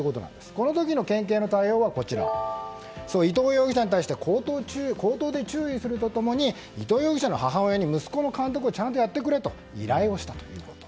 この時の県警の対応が伊藤容疑者に対して口頭で注意すると共に伊藤容疑者の母親に息子の監督をちゃんとやってくれと依頼をしたということ。